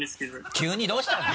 急にどうしたんだ。